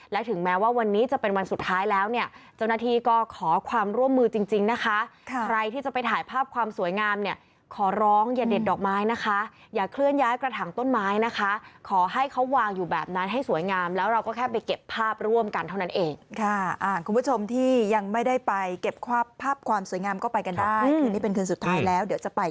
และถึงแม้ว่าวันนี้จะเป็นวันสุดท้ายแล้ว